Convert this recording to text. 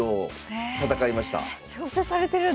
挑戦されてるんだ。